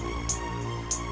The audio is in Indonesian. ntar kita ke rumah sakit